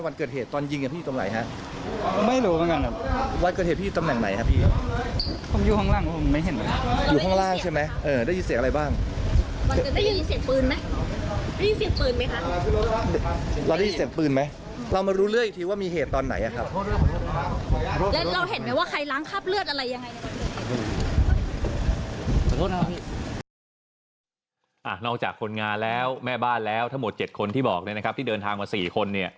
นอกจากคนงานแล้วแม่บ้านแล้วทั้งหมด๗คนที่บอกแล้วที่เดินทางมา๔คน